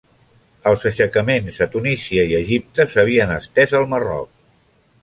Els aixecaments a Tunísia i Egipte s'havien estès al Marroc.